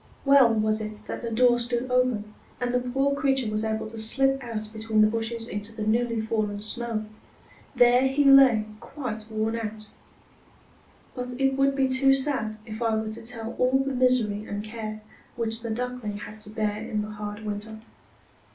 well was it that the door stood open, and the poor creature was able to slip out between the bushes into the newly fallen snow there he lay quite worn out. But it would be too sad if I were to tell all the misery and care which the Duckling had to bear in the hard winter.